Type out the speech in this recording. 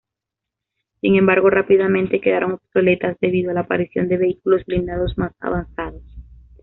Sin embargo, rápidamente quedaron obsoletas debido a la aparición de vehículos blindados más avanzados.